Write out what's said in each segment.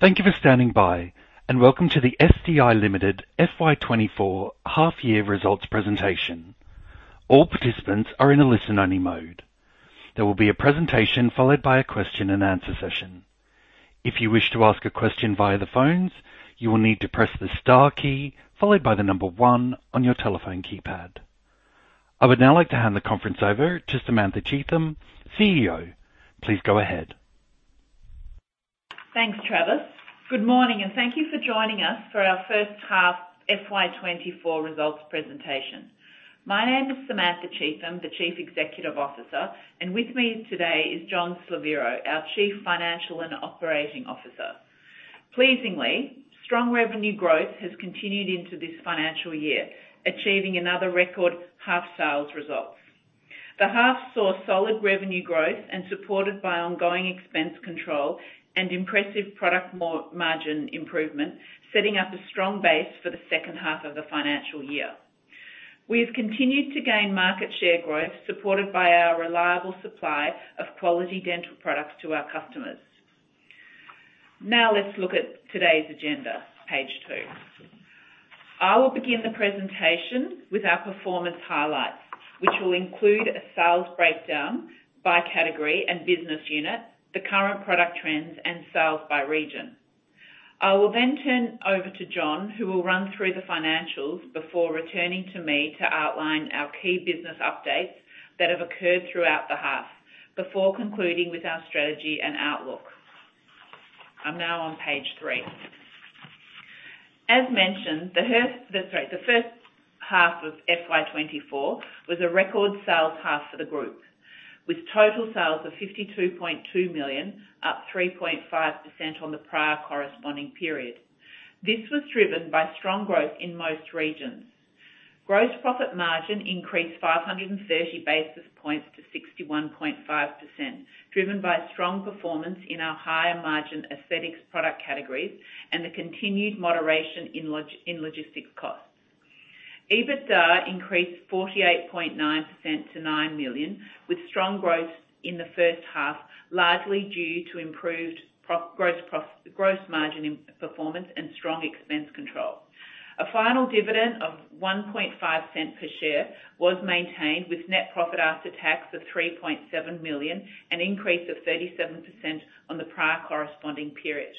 Thank you for standing by, and welcome to the SDI Limited FY 2024 half-year results presentation. All participants are in a listen-only mode. There will be a presentation followed by a question-and-answer session. If you wish to ask a question via the phones, you will need to press the star key followed by the number one on your telephone keypad. I would now like to hand the conference over to Samantha Cheetham, CEO. Please go ahead. Thanks, Travis. Good morning, and thank you for joining us for our first half FY 2024 results presentation. My name is Samantha Cheetham, the Chief Executive Officer, and with me today is John Slaviero, our Chief Financial and Operating Officer. Pleasingly, strong revenue growth has continued into this financial year, achieving another record half-sales result. The half saw solid revenue growth and supported by ongoing expense control and impressive product margin improvement, setting up a strong base for the second half of the financial year. We have continued to gain market share growth supported by our reliable supply of quality dental products to our customers. Now let's look at today's agenda, page two. I will begin the presentation with our performance highlights, which will include a sales breakdown by category and business unit, the current product trends, and sales by region. I will then turn over to John, who will run through the financials before returning to me to outline our key business updates that have occurred throughout the half before concluding with our strategy and outlook. I'm now on page three. As mentioned, the first half of FY 2024 was a record sales half for the group, with total sales of 52.2 million, up 3.5% on the prior corresponding period. This was driven by strong growth in most regions. Gross profit margin increased 530 basis points to 61.5%, driven by strong performance in our higher margin Aesthetics product categories and the continued moderation in logistics costs. EBITDA increased 48.9% to 9 million, with strong growth in the first half largely due to improved gross margin performance and strong expense control. A final dividend of 0.015 per share was maintained, with net profit after tax of 3.7 million, an increase of 37% on the prior corresponding period.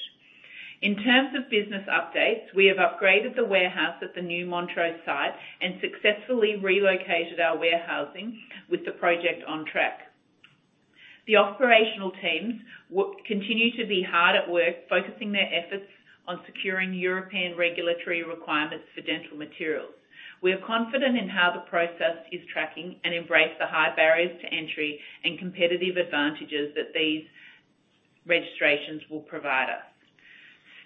In terms of business updates, we have upgraded the warehouse at the new Montrose site and successfully relocated our warehousing, with the project on track. The operational teams continue to be hard at work, focusing their efforts on securing European regulatory requirements for dental materials. We are confident in how the process is tracking and embrace the high barriers to entry and competitive advantages that these registrations will provide us.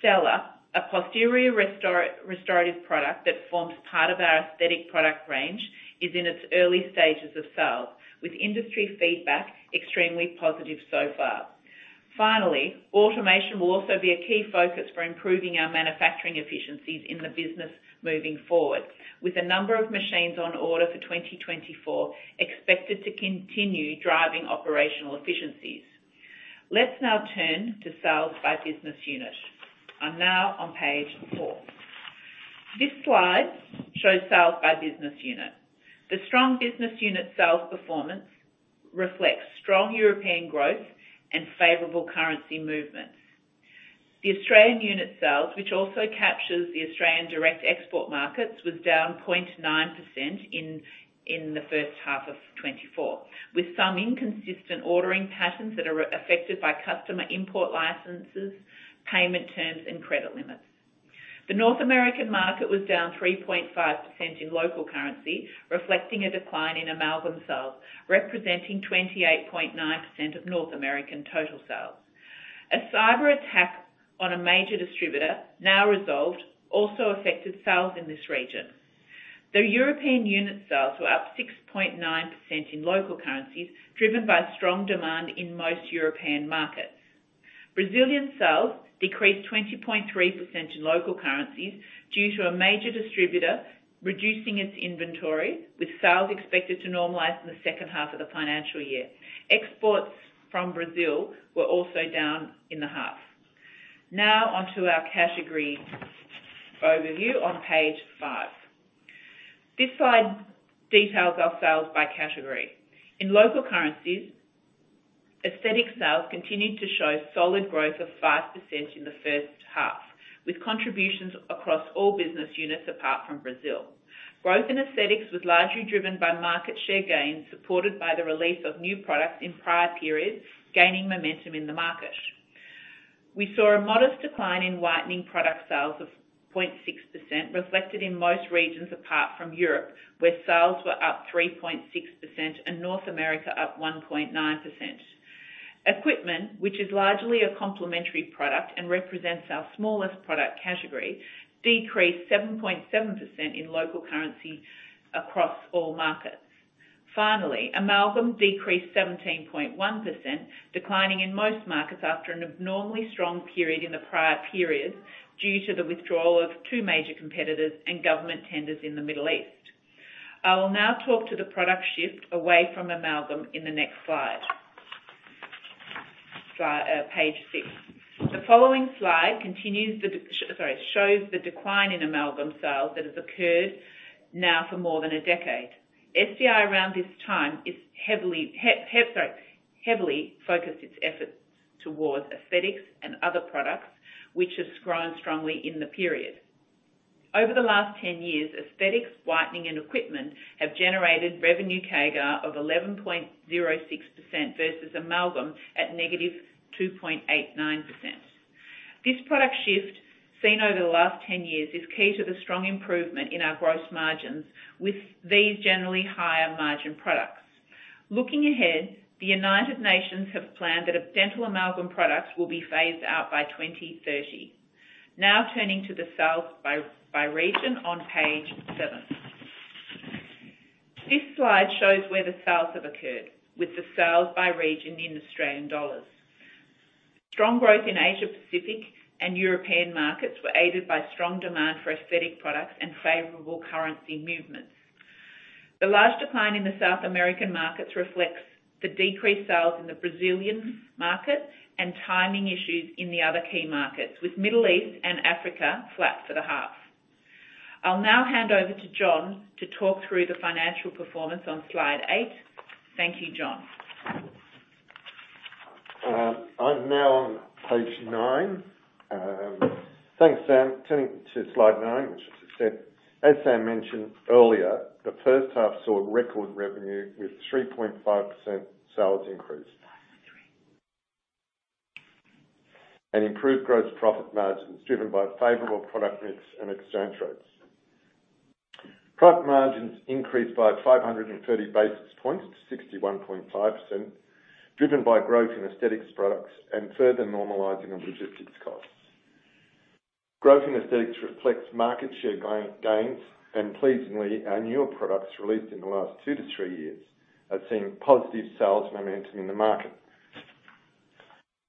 Stela, a posterior restorative product that forms part of our aesthetic product range, is in its early stages of sales, with industry feedback extremely positive so far. Finally, automation will also be a key focus for improving our manufacturing efficiencies in the business moving forward, with a number of machines on order for 2024 expected to continue driving operational efficiencies. Let's now turn to sales by business unit. I'm now on page four. This slide shows sales by business unit. The strong business unit sales performance reflects strong European growth and favorable currency movements. The Australian unit sales, which also captures the Australian direct export markets, was down 0.9% in the first half of 2024, with some inconsistent ordering patterns that are affected by customer import licenses, payment terms, and credit limits. The North American market was down 3.5% in local currency, reflecting a decline in Amalgam sales, representing 28.9% of North American total sales. A cyber attack on a major distributor, now resolved, also affected sales in this region. The European unit sales were up 6.9% in local currencies, driven by strong demand in most European markets. Brazilian sales decreased 20.3% in local currencies due to a major distributor reducing its inventory, with sales expected to normalise in the second half of the financial year. Exports from Brazil were also down in the half. Now onto our category overview on page five. This slide details our sales by category. In local currencies, aesthetic sales continued to show solid growth of 5% in the first half, with contributions across all business units apart from Brazil. Growth in Aesthetics was largely driven by market share gains, supported by the release of new products in prior periods gaining momentum in the market. We saw a modest decline in Whitening product sales of 0.6%, reflected in most regions apart from Europe, where sales were up 3.6% and North America up 1.9%. Equipment, which is largely a complementary product and represents our smallest product category, decreased 7.7% in local currency across all markets. Finally, Amalgam decreased 17.1%, declining in most markets after an abnormally strong period in the prior periods due to the withdrawal of two major competitors and government tenders in the Middle East. I will now talk to the product shift away from Amalgam in the next slide, page six. The following slide continues the sorry, shows the decline in Amalgam sales that has occurred now for more than a decade. SDI around this time is heavily sorry, heavily focused its efforts towards Aesthetics and other products, which have grown strongly in the period. Over the last 10 years, Aesthetics, Whitening, and Equipment have generated revenue CAGR of 11.06% versus Amalgam at negative 2.89%. This product shift seen over the last 10 years is key to the strong improvement in our gross margins, with these generally higher margin products. Looking ahead, the United Nations have planned that dental amalgam products will be phased out by 2030. Now turning to the sales by region on page seven. This slide shows where the sales have occurred, with the sales by region in Australian dollars. Strong growth in Asia-Pacific and European markets were aided by strong demand for aesthetic products and favorable currency movements. The large decline in the South American markets reflects the decreased sales in the Brazilian market and timing issues in the other key markets, with Middle East and Africa flat for the half. I'll now hand over to John to talk through the financial performance on slide eight. Thank you, John. I'm now on page nine. Thanks, Sam. Turning to slide nine, which is as Sam mentioned earlier, the first half saw record revenue with 3.5% sales increase and improved gross profit margins, driven by favorable product mix and exchange rates. Product margins increased by 530 basis points to 61.5%, driven by growth in Aesthetics products and further normalizing of logistics costs. Growth in Aesthetics reflects market share gains and, pleasingly, our newer products released in the last two to three years have seen positive sales momentum in the market.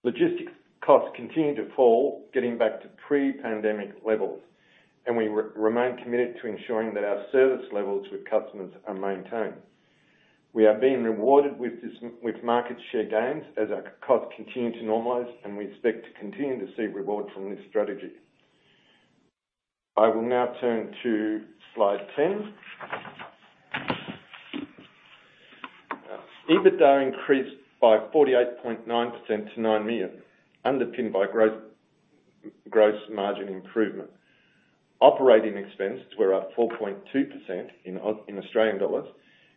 Logistics costs continue to fall, getting back to pre-pandemic levels, and we remain committed to ensuring that our service levels with customers are maintained. We are being rewarded with market share gains as our costs continue to normalize, and we expect to continue to see reward from this strategy. I will now turn to slide 10. EBITDA increased by 48.9% to 9 million, underpinned by gross margin improvement. Operating expenses were up 4.2% in Australian dollars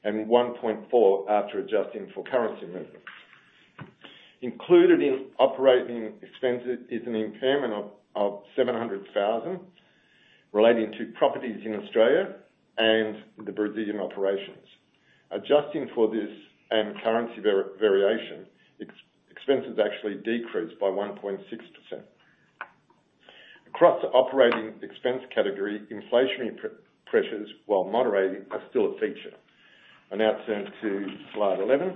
and 1.4% after adjusting for currency movements. Included in operating expenses is an impairment of 700,000 relating to properties in Australia and the Brazilian operations. Adjusting for this and currency variation, expenses actually decreased by 1.6%. Across the operating expense category, inflationary pressures while moderating are still a feature. I'll now turn to slide 11.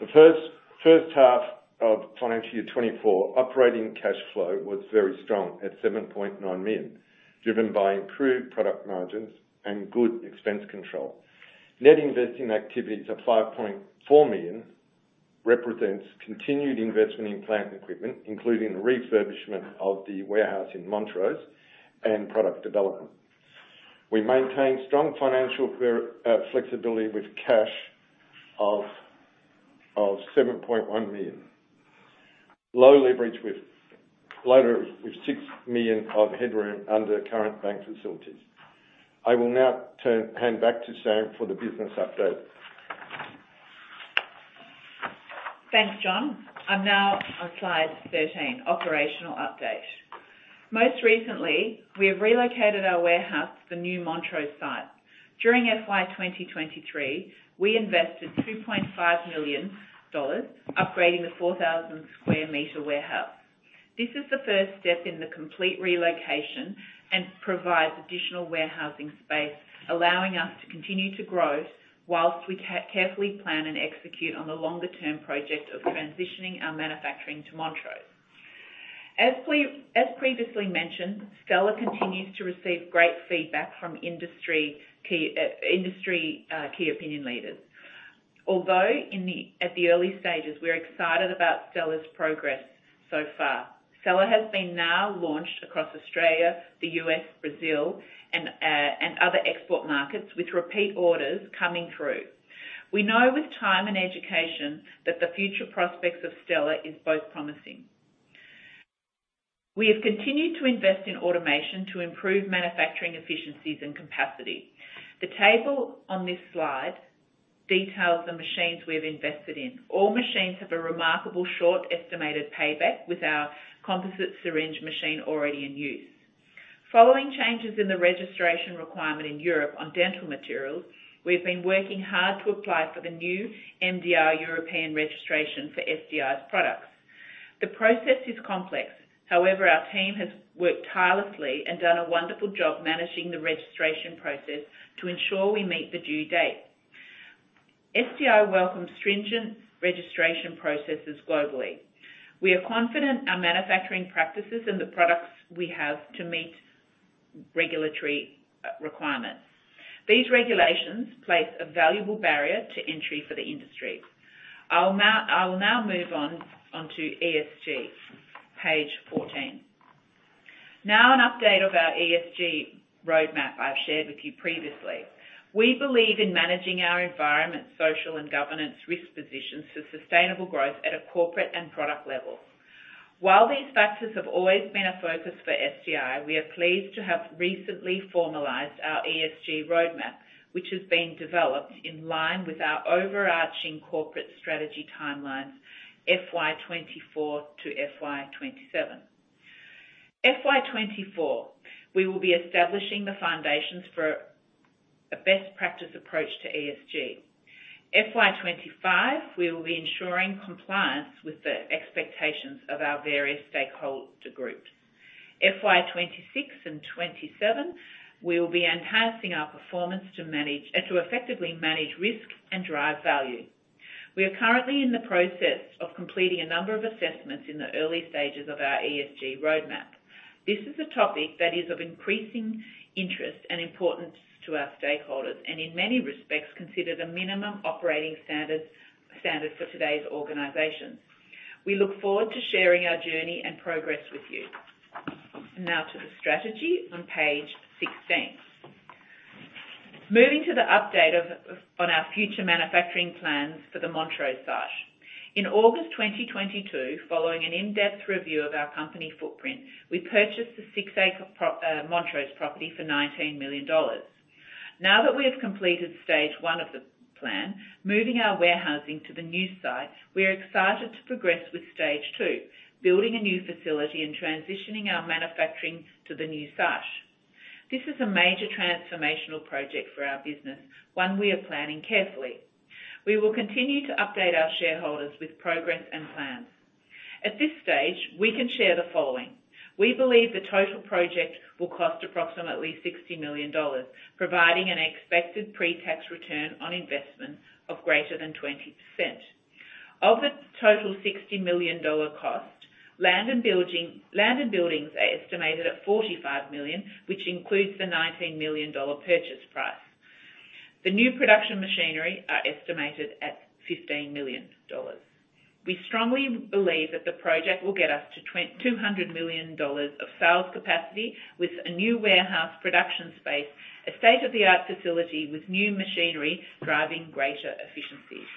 The first half of financial year 2024, operating cash flow was very strong at 7.9 million, driven by improved product margins and good expense control. Net investing activities of 5.4 million represents continued investment in plant equipment, including the refurbishment of the warehouse in Montrose and product development. We maintained strong financial flexibility with cash of 7.1 million, low leverage with 6 million of headroom under current bank facilities. I will now hand back to Sam for the business update. Thanks, John. I'm now on slide 13, operational update. Most recently, we have relocated our warehouse to the new Montrose site. During FY 2023, we invested 2.5 million dollars, upgrading the 4,000-square-meter warehouse. This is the first step in the complete relocation and provides additional warehousing space, allowing us to continue to grow while we carefully plan and execute on the longer-term project of transitioning our manufacturing to Montrose. As previously mentioned, Stela continues to receive great feedback from industry key opinion leaders. Although at the early stages, we're excited about Stela's progress so far. Stela has been now launched across Australia, the U.S., Brazil, and other export markets, with repeat orders coming through. We know with time and education that the future prospects of Stela are both promising. We have continued to invest in automation to improve manufacturing efficiencies and capacity. The table on this slide details the machines we have invested in. All machines have a remarkable short estimated payback with our composite syringe machine already in use. Following changes in the registration requirement in Europe on dental materials, we have been working hard to apply for the new MDR European registration for SDI's products. The process is complex. However, our team has worked tirelessly and done a wonderful job managing the registration process to ensure we meet the due date. SDI welcomes stringent registration processes globally. We are confident our manufacturing practices and the products we have to meet regulatory requirements. These regulations place a valuable barrier to entry for the industry. I will now move onto ESG, page 14. Now an update of our ESG roadmap I've shared with you previously. We believe in managing our environmental, social, and governance risk positions for sustainable growth at a corporate and product level. While these factors have always been a focus for SDI, we are pleased to have recently formalized our ESG roadmap, which has been developed in line with our overarching corporate strategy timelines, FY 2024 to FY 2027. FY 2024, we will be establishing the foundations for a best-practice approach to ESG. FY 2025, we will be ensuring compliance with the expectations of our various stakeholder groups. FY 2026 and 2027, we will be enhancing our performance to effectively manage risk and drive value. We are currently in the process of completing a number of assessments in the early stages of our ESG roadmap. This is a topic that is of increasing interest and importance to our stakeholders and, in many respects, considered a minimum operating standard for today's organizations. We look forward to sharing our journey and progress with you. Now to the strategy on page 16. Moving to the update on our future manufacturing plans for the Montrose site. In August 2022, following an in-depth review of our company footprint, we purchased the 6-acre Montrose property for 19 million dollars. Now that we have completed stage one of the plan, moving our warehousing to the new site, we are excited to progress with stage two, building a new facility and transitioning our manufacturing to the new site. This is a major transformational project for our business, one we are planning carefully. We will continue to update our shareholders with progress and plans. At this stage, we can share the following. We believe the total project will cost approximately 60 million dollars, providing an expected pre-tax return on investment of greater than 20%. Of the total 60 million dollar cost, land and buildings are estimated at 45 million, which includes the 19 million dollar purchase price. The new production machinery is estimated at 15 million dollars. We strongly believe that the project will get us to AUD 200 million of sales capacity with a new warehouse production space, a state-of-the-art facility with new machinery driving greater efficiencies.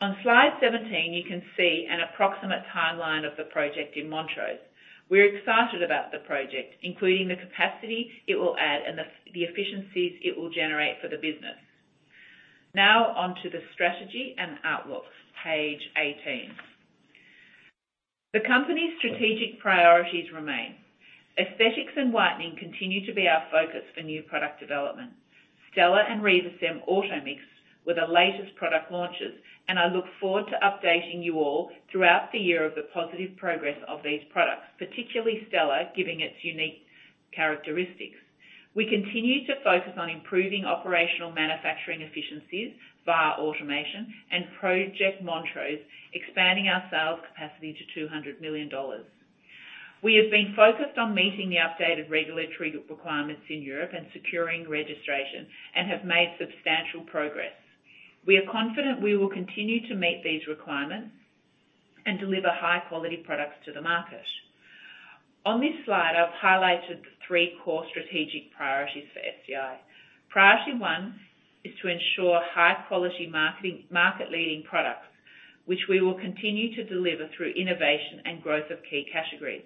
On slide 17, you can see an approximate timeline of the project in Montrose. We're excited about the project, including the capacity it will add and the efficiencies it will generate for the business. Now onto the strategy and outlook, page 18. The company's strategic priorities remain. Aesthetics and Whitening continue to be our focus for new product development. Stela and Stela Automix were the latest product launches, and I look forward to updating you all throughout the year of the positive progress of these products, particularly Stela giving its unique characteristics. We continue to focus on improving operational manufacturing efficiencies via automation and Project Montrose, expanding our sales capacity to 200 million dollars. We have been focused on meeting the updated regulatory requirements in Europe and securing registration and have made substantial progress. We are confident we will continue to meet these requirements and deliver high-quality products to the market. On this slide, I've highlighted the three core strategic priorities for SDI. Priority one is to ensure high-quality market-leading products, which we will continue to deliver through innovation and growth of key categories.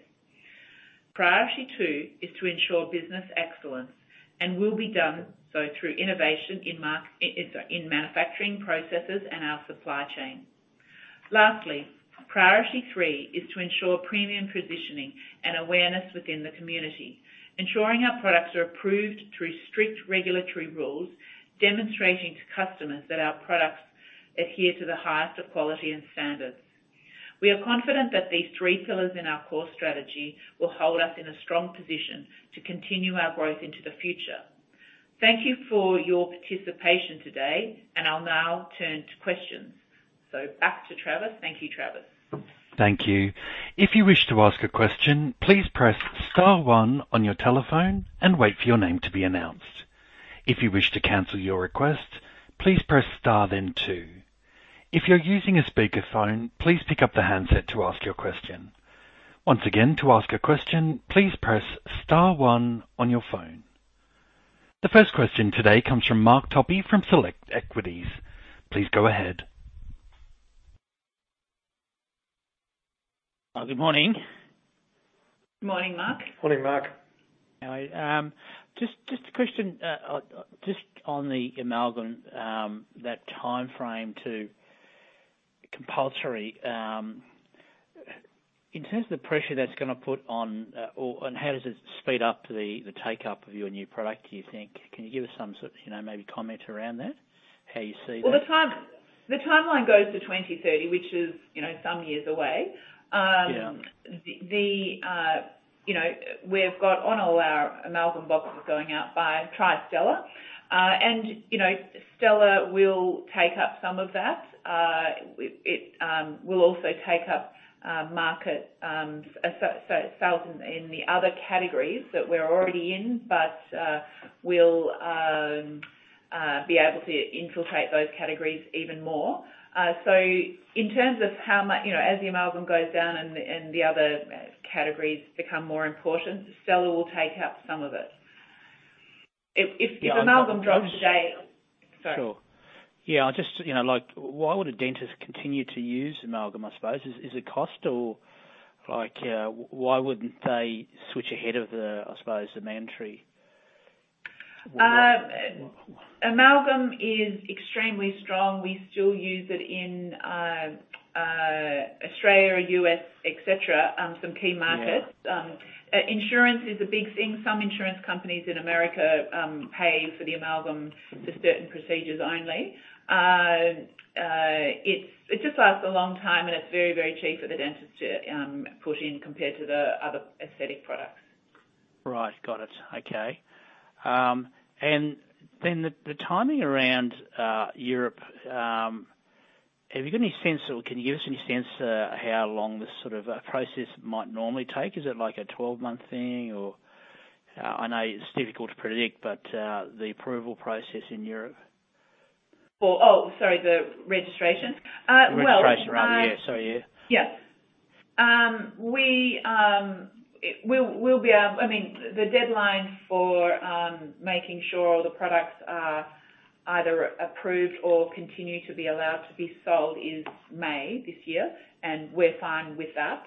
Priority two is to ensure business excellence and will be done so through innovation in manufacturing processes and our supply chain. Lastly, priority three is to ensure premium positioning and awareness within the community, ensuring our products are approved through strict regulatory rules, demonstrating to customers that our products adhere to the highest of quality and standards. We are confident that these three pillars in our core strategy will hold us in a strong position to continue our growth into the future. Thank you for your participation today, and I'll now turn to questions. So back to Travis. Thank you, Travis. Thank you. If you wish to ask a question, please press star one on your telephone and wait for your name to be announced. If you wish to cancel your request, please press star then two. If you're using a speakerphone, please pick up the handset to ask your question. Once again, to ask a question, please press star one on your phone. The first question today comes from Mark Topy from Select Equities. Please go ahead. Good morning. Good morning, Mark. Good morning, Mark. Just a question, just on the Amalgam, that timeframe to compulsory. In terms of the pressure that's going to put on and how does it speed up the take-up of your new product, do you think? Can you give us some sort of maybe comment around that, how you see that? Well, the timeline goes to 2030, which is some years away. We've got on all our Amalgam boxes going out by Stela, and Stela will take up some of that. It will also take up market sales in the other categories that we're already in, but will be able to infiltrate those categories even more. So in terms of how much, as the Amalgam goes down and the other categories become more important, Stela will take up some of it. If Amalgam drops today. Sure. Yeah. Why would a dentist continue to use Amalgam, I suppose? Is it cost, or why wouldn't they switch ahead of the, I suppose, the mandatory? Amalgam is extremely strong. We still use it in Australia, U.S., etc., some key markets. Insurance is a big thing. Some insurance companies in America pay for the Amalgam for certain procedures only. It just lasts a long time, and it's very, very cheap for the dentist to put in compared to the other aesthetic products. Right. Got it. Okay. And then the timing around Europe, have you got any sense or can you give us any sense of how long this sort of process might normally take? Is it a 12-month thing, or? I know it's difficult to predict, but the approval process in Europe. Oh, sorry, the registration. Well. Registration, rather. Yeah. Sorry. Yeah. Yeah. We'll be able I mean, the deadline for making sure all the products are either approved or continue to be allowed to be sold is May this year, and we're fine with that.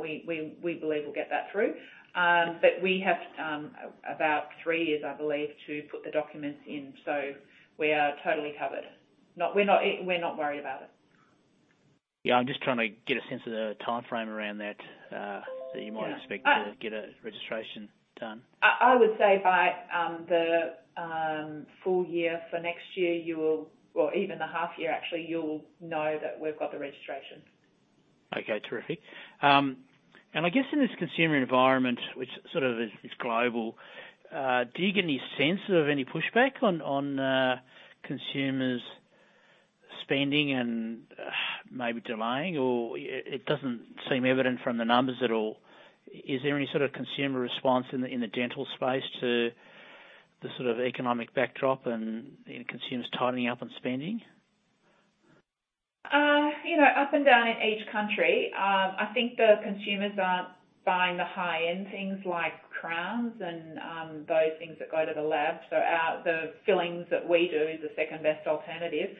We believe we'll get that through. But we have about three years, I believe, to put the documents in, so we are totally covered. We're not worried about it. Yeah. I'm just trying to get a sense of the timeframe around that that you might expect to get a registration done? I would say by the full year for next year, you will or even the half-year, actually, you'll know that we've got the registration. Okay. Terrific. And I guess in this consumer environment, which sort of is global, do you get any sense of any pushback on consumers' spending and maybe delaying? Or it doesn't seem evident from the numbers at all. Is there any sort of consumer response in the dental space to the sort of economic backdrop and consumers tightening up on spending? Up and down in each country, I think the consumers aren't buying the high-end things like crowns and those things that go to the lab. So the fillings that we do is the second-best alternative.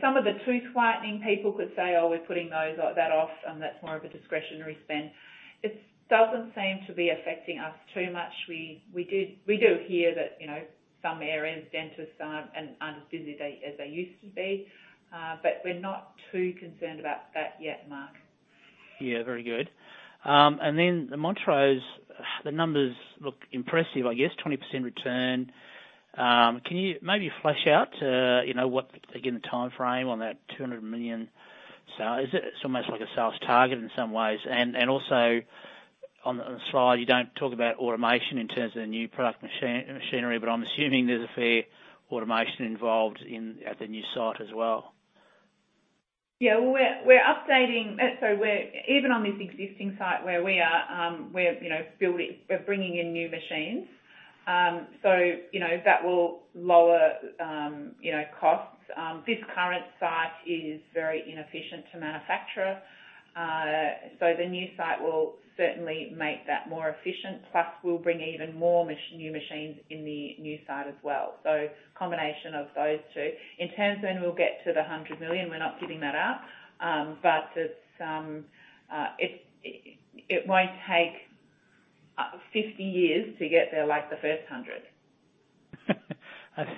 Some of the tooth whitening people could say, "Oh, we're putting that off, and that's more of a discretionary spend." It doesn't seem to be affecting us too much. We do hear that some areas dentists aren't as busy as they used to be, but we're not too concerned about that yet, Mark. Yeah. Very good. And then the Montrose numbers look impressive, I guess, 20% return. Can you maybe flesh out, again, the timeframe on that 200 million? It's almost like a sales target in some ways. And also on the slide, you don't talk about automation in terms of the new product machinery, but I'm assuming there's a fair automation involved at the new site as well. Yeah. Well, even on this existing site where we are, we're bringing in new machines, so that will lower costs. This current site is very inefficient to manufacture, so the new site will certainly make that more efficient. Plus, we'll bring even more new machines in the new site as well, so combination of those two. In terms of when we'll get to the 100 million, we're not giving that up, but it won't take 50 years to get there like the first 100.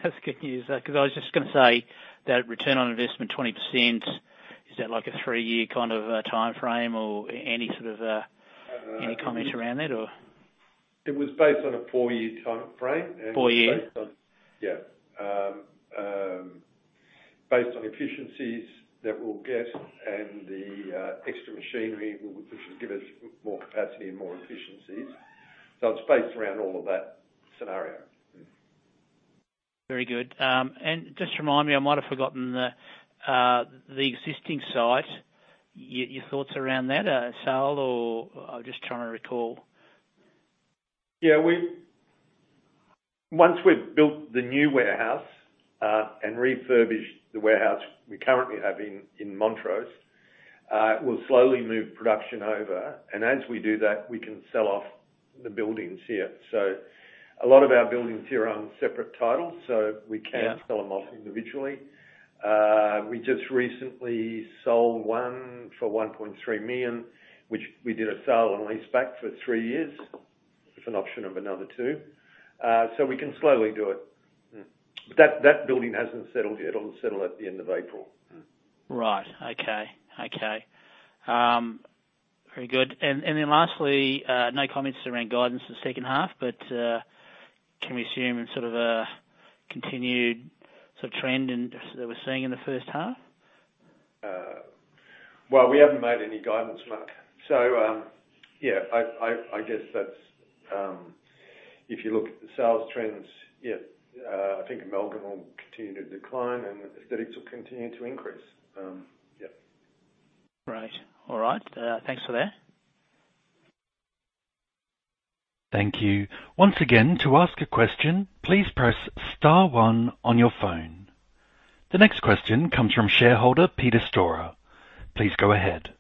That's good news because I was just going to say that return on investment, 20%, is that a three-year kind of timeframe or any sort of comment around that, or? It was based on a four-year timeframe. Four-year. Yeah. Based on efficiencies that we'll get and the extra machinery, which will give us more capacity and more efficiencies. So it's based around all of that scenario. Very good. Just remind me, I might have forgotten the existing site. Your thoughts around that, Sal, or? I'm just trying to recall. Yeah. Once we've built the new warehouse and refurbished the warehouse we currently have in Montrose, we'll slowly move production over. And as we do that, we can sell off the buildings here. So a lot of our buildings here are on separate titles, so we can't sell them off individually. We just recently sold one for 1.3 million, which we did a sale and lease back for three years with an option of another two. So we can slowly do it. But that building hasn't settled yet. It'll settle at the end of April. Right. Okay. Okay. Very good. And then lastly, no comments around guidance the second half, but can we assume sort of a continued sort of trend that we're seeing in the first half? Well, we haven't made any guidance, Mark. So yeah, I guess that's if you look at the sales trends, yeah, I think Amalgam will continue to decline and Aesthetics will continue to increase. Yeah. Great. All right. Thanks for that. Thank you. Once again, to ask a question, please press star one on your phone. The next question comes from shareholder Peter Storer. Please go ahead.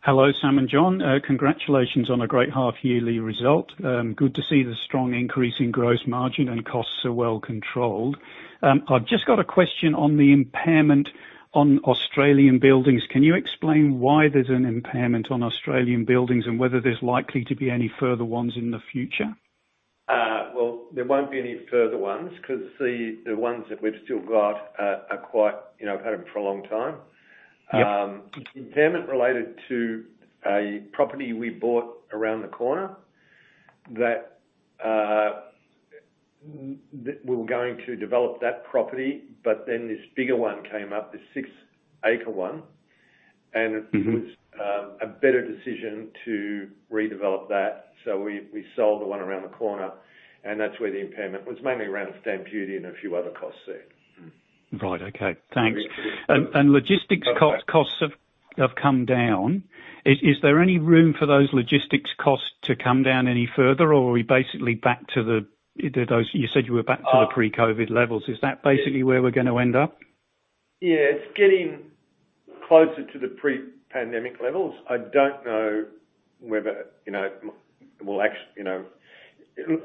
Hello, Sam and John. Congratulations on a great half-yearly result. Good to see the strong increase in gross margin and costs are well controlled. I've just got a question on the impairment on Australian buildings. Can you explain why there's an impairment on Australian buildings and whether there's likely to be any further ones in the future? Well, there won't be any further ones because the ones that we've still got we've had them for a long time. Impairment related to a property we bought around the corner that we were going to develop that property, but then this bigger one came up, this six-acre one, and it was a better decision to redevelop that. So we sold the one around the corner, and that's where the impairment was, mainly around stamp duty and a few other costs there. Right. Okay. Thanks. Logistics costs have come down. Is there any room for those logistics costs to come down any further, or are we basically back to the you said you were back to the pre-COVID levels? Is that basically where we're going to end up? Yeah. It's getting closer to the pre-pandemic levels. I don't know whether we'll actually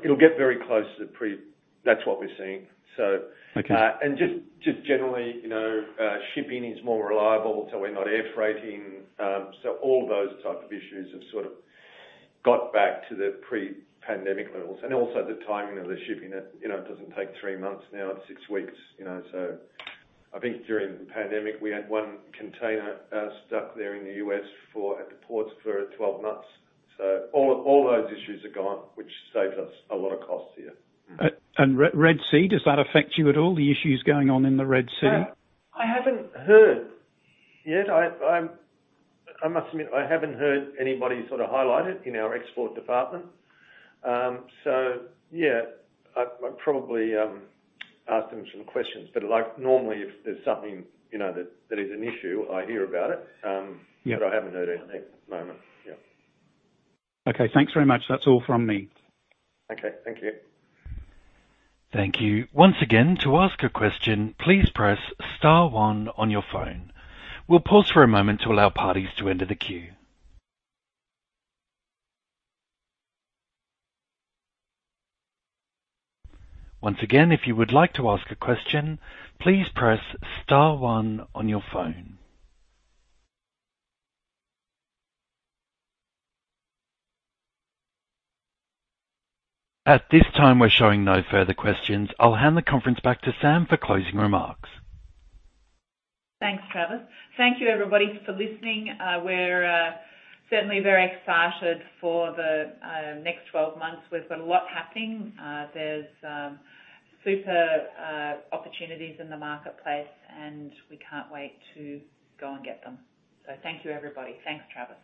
it'll get very close to the pre that's what we're seeing, so. And just generally, shipping is more reliable until we're not air freighting. So all of those types of issues have sort of got back to the pre-pandemic levels. And also the timing of the shipping. It doesn't take three months now. It's six weeks. So I think during the pandemic, we had one container stuck there in the U.S. at the ports for 12 months. So all those issues are gone, which saves us a lot of costs here. Red Sea, does that affect you at all, the issues going on in the Red Sea? I haven't heard yet. I must admit, I haven't heard anybody sort of highlight it in our export department. So yeah, I've probably asked them some questions. But normally, if there's something that is an issue, I hear about it, but I haven't heard anything at the moment. Yeah. Okay. Thanks very much. That's all from me. Okay. Thank you. Thank you. Once again, to ask a question, please press star one on your phone. We'll pause for a moment to allow parties to enter the queue. Once again, if you would like to ask a question, please press star one on your phone. At this time, we're showing no further questions. I'll hand the conference back to Sam for closing remarks. Thanks, Travis. Thank you, everybody, for listening. We're certainly very excited for the next 12 months. We've got a lot happening. There's super opportunities in the marketplace, and we can't wait to go and get them. So thank you, everybody. Thanks, Travis.